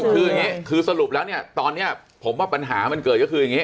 คืออย่างนี้คือสรุปแล้วเนี่ยตอนนี้ผมว่าปัญหามันเกิดก็คืออย่างนี้